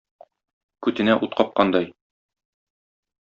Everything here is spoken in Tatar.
Күтенә ут капкандай.